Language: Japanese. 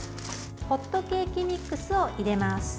ホットケーキミックスを入れます。